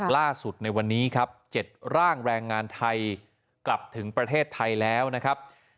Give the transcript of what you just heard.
ล่าสุดในวันนี้ครับ๗ร่างแรงงานไทยกลับถึงประเทศไทยแล้วนะครับ